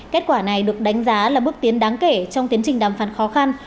kết quả này được đánh giá là bước tiến đáng kể trong tiến trình đàm phán khó khăn